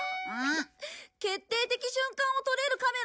決定的瞬間を撮れるカメラってない？